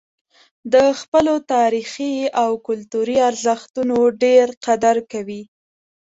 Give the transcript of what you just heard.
د خپلو تاریخي او کلتوري ارزښتونو ډېر قدر کوي.